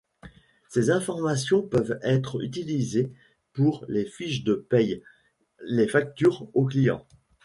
Ces informations peuvent être utilisées pour les fiches de paie, les factures au client.